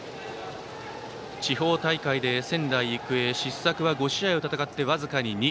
地方大会で仙台育英失策は５試合を戦って僅かに２。